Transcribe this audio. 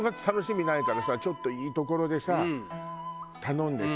ちょっといいところでさ頼んでさ